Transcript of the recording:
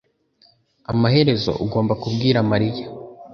Amaherezo ugomba kubwira mariya